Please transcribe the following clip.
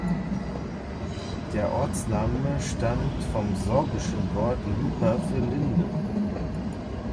Der Ortsname stammt vom sorbischen Wort "lipa" für „Linde“.